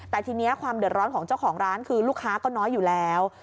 แต่ทีนี้ความเดือดร้อนของเจ้าของร้านคือลูกค้าก็น้อยอยู่แล้ว